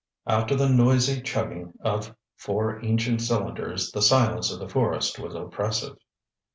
After the noisy chugging of four ancient cylinders the silence of the forest was oppressive.